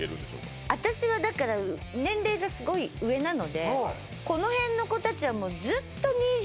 私はだから年齢がすごい上なのでこのへんの子たちはもうずっと２０